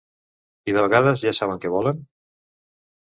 I de vegades ja saben què volen?